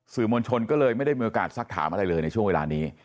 มวลชนก็เลยไม่ได้มีโอกาสสักถามอะไรเลยในช่วงเวลานี้